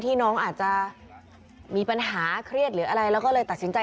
น้องอาจจะมีปัญหาเครียดหรืออะไรแล้วก็เลยตัดสินใจ